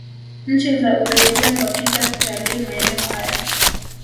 nchi za ughaibuni wakija kutalii maeneo haya